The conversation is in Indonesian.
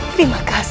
kamu sudah berhasil